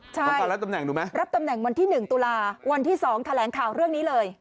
ใช่รับตำแหน่งวันที่๑ตุลาวันที่๒แถลงข่าวเรื่องนี้เลย